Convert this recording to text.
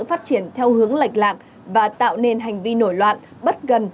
phát triển theo hướng lệch lạc và tạo nên hành vi nổi loạn bất gần